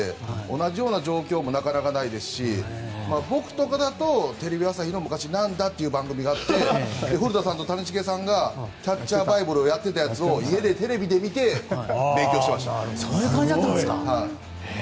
同じような状況もなかなかないですし僕とかだとテレビ朝日の番組が昔あって古田さんたちがキャッチャーバイブルをやっていたやつを家でよく見て勉強してました。